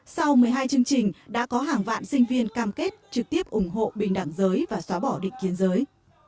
sau một mươi hai chương trình đã có hàng vạn sinh viên cam kết trực tiếp ủng hộ bình đẳng giới và xóa bỏ định kiến giới